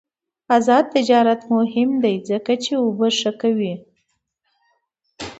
آزاد تجارت مهم دی ځکه چې اوبه ښه کوي.